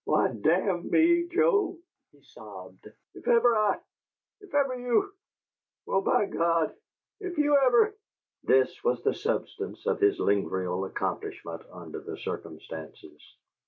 "Why, damn ME, Joe," he sobbed, "if ever I if ever you well, by God! if you ever " This was the substance of his lingual accomplishment under the circumstances.